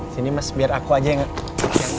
sini mas biar aku aja yang